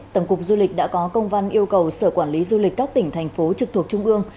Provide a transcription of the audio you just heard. tổng cục du lịch đã có công văn yêu cầu sở quản lý du lịch các tỉnh thành phố trực thuộc trung ương